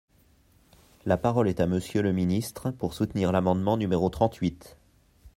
La parole est à Monsieur le ministre, pour soutenir l’amendement numéro trente-huit.